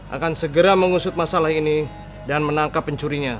akan segera mengusut masalah ini dan menangkap pencurinya